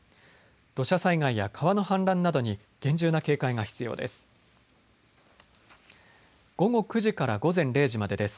土砂災害や川の氾濫などに厳重な警戒が必要です。